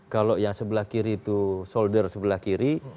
kalau yang sebelah kiri itu solder sebelah kiri